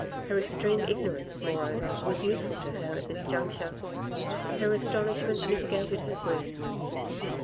Her extreme ignorance, moreover, was useful to her at this juncture ; her astonishment mitigated her grief.